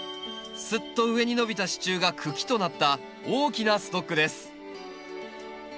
すっと上に伸びた支柱が茎となった大きなストックです。